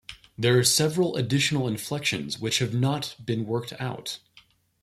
There are several additional inflections which have not been worked out.